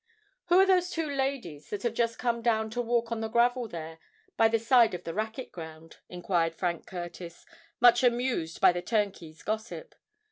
"Who are those two ladies that have just come down to walk on the gravel there, by the side of the racquet ground?" enquired Frank Curtis, much amused by the turnkey's gossip.